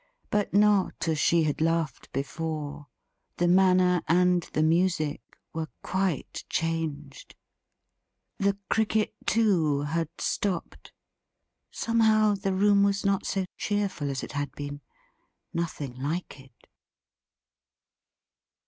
But not as she had laughed before. The manner, and the music, were quite changed. The Cricket, too, had stopped. Somehow the room was not so cheerful as it had been. Nothing like it.